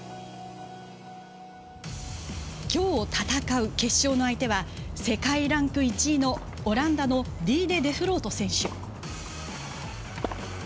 きょう戦う決勝の相手は世界ランク１位のオランダのディーデ・デフロート選手。